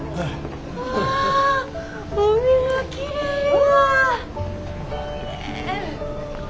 あ海がきれいや。